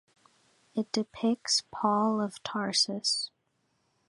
It depicts Paul of Tarsus.